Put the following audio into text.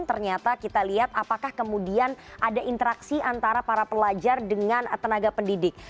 ternyata kita lihat apakah kemudian ada interaksi antara para pelajar dengan tenaga pendidik